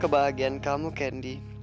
kebahagiaan kamu candy